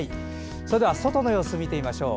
それでは外の様子を見てみましょう。